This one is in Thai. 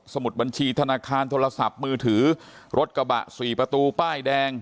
มุดบัญชีธนาคารโทรศัพท์มือถือรถกระบะสี่ประตูป้ายแดง